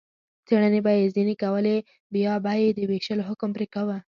څېړنې به یې ځنې کولې، بیا به یې د وېشتلو حکم پرې کاوه.